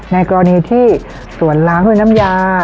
ในกรณีที่สวนล้างด้วยน้ำยา